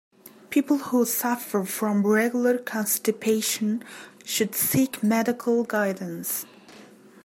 People who suffer from regular constipation should seek medical guidance.